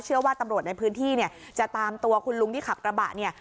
เชื่อว่าตำรวจในพื้นที่เนี่ยจะตามตัวคุณลุงที่ขับกระบะเนี่ย